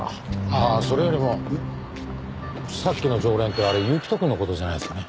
ああそれよりもさっきの常連ってあれ行人くんの事じゃないですかね？